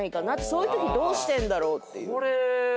そういうときどうしてんだろうっていう。